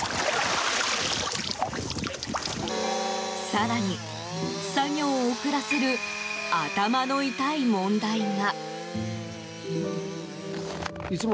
更に、作業を遅らせる頭の痛い問題が。